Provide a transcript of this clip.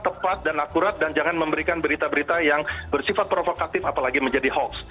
tepat dan akurat dan jangan memberikan berita berita yang bersifat provokatif apalagi menjadi hoax